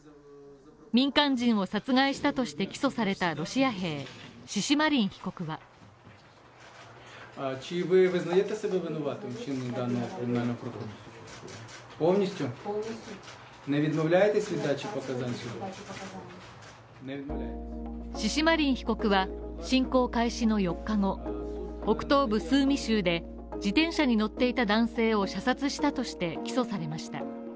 民間人を殺害したとして起訴されたロシア兵シシマリン被告はシシマリン被告は侵攻開始の４日後、北東部スーミ州で自転車に乗っていた男性を射殺したとして起訴されました。